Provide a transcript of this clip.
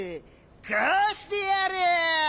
こうしてやる！